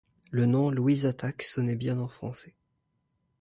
Le nom Louise Attaque sonnait bien en français...